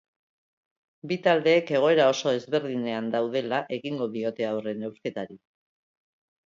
Bi taldeek egoera oso ezberdinean daudela egingo diote aurre neurketari.